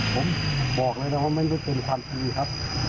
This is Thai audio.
ผมบอกเลยนะว่าไม่เป็นความจริงครับ